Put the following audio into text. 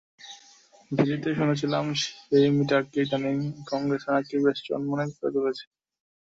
দিল্লিতে শুনেছিলাম, সেই মিরাটকে ইদানীং কংগ্রেসিরা নাকি বেশ চনমনে করে তুলেছে।